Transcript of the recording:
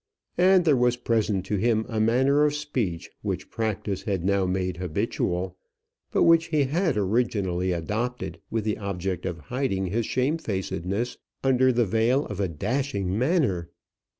And there was present to him a manner of speech which practice had now made habitual, but which he had originally adopted with the object of hiding his shamefacedness under the veil of a dashing manner.